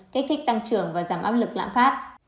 kích thích tăng trưởng và giảm áp lực lạm phát